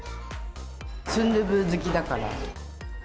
スンドゥブ好きだから。